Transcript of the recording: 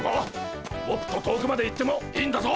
もっと遠くまで行ってもいいんだぞ！